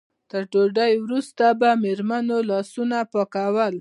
تر ډوډۍ وروسته به مېرمنو لاسونه پاکول.